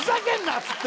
っつって。